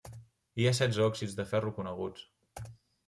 Hi ha setze òxids de ferro coneguts.